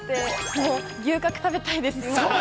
もう、牛角食べたいです。